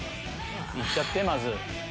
いっちゃってまず。